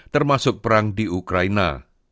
termasuk perang di ukraina